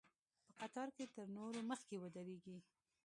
په قطار کې تر نورو مخکې ودرېږي.